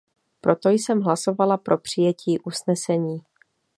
Proto jsem hlasovala pro přijetí usnesení.